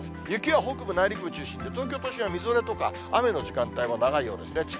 雪は北部、内陸部を中心に、東京都心はみぞれとか、雨の時間帯も長いようですね。